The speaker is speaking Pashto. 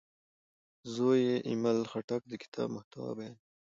زوی یې ایمل خټک د کتاب محتوا بیانوي.